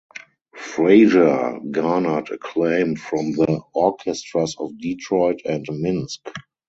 Frazier garnered acclaim from the orchestras of Detroit and Minsk.